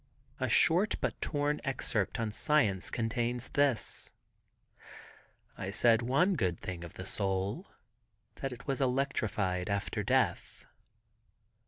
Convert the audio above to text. A short but torn excerpt on science contains this: "I said one good thing of the soul. That it was electrified after death."